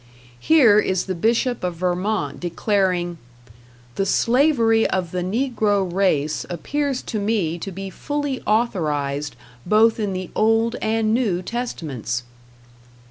Here is the Bishop of Vermont declaring: "The slavery of the negro race appears to me to be fully authorized both in the Old and New Testaments."